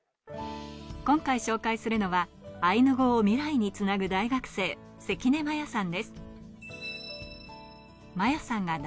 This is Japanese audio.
今回紹介するのはアイヌ語を未来につなぐ大学生、関根摩耶さんです。